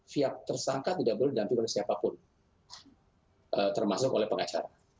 pihak tersangka tidak boleh didamping oleh siapapun termasuk oleh pengacara